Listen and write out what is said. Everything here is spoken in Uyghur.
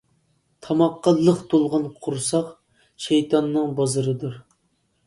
تاماققا لىق تولغان قورساق، شەيتاننىڭ بازىرىدۇر.